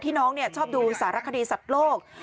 น้องชอบดูสารคดีสัตว์โลก